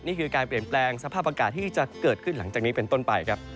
นี่คือการเปลี่ยนแปลงสภาพอากาศที่จะเกิดขึ้นหลังจากนี้เป็นต้นไปครับ